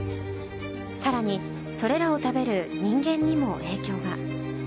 更にそれらを食べる人間にも影響が。